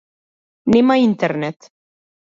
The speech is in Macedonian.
Нема интернет.